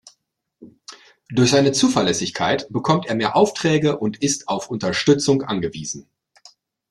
Durch seine Zuverlässigkeit bekommt er mehr Aufträge und ist auf Unterstützung angewiesen.